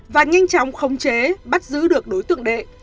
và nhanh chóng khống chế bắt giữ được đối tượng đệ